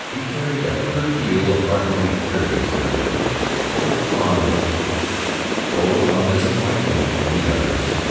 He carried a good deal of hard won experience with him, both on this point and on many others.